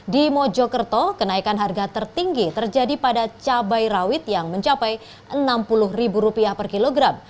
di mojokerto kenaikan harga tertinggi terjadi pada cabai rawit yang mencapai rp enam puluh per kilogram